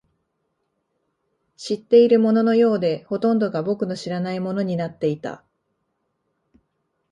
知っているもののようで、ほとんどが僕の知らないものになっていた